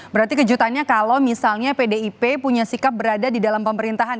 berarti kejutannya kalau misalnya pdip punya sikap berada di dalam pemerintahan